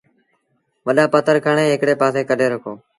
وڏآ پٿر هڪڙي پآسي ڪڍي رکو ۔